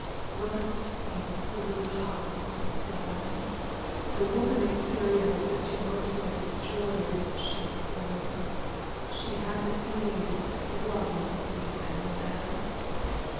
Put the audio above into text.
Robert's face grew hard and stern. The woman experienced a tumultuous joy as she saw it. She had at least one defender.